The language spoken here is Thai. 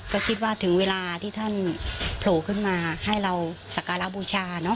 ก็คิดว่าถึงเวลาที่ท่านโผล่ขึ้นมาให้เราสักการะบูชา